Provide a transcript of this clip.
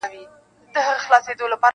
شمع یم یوه شپه په تیاره کي ځلېدلی یم -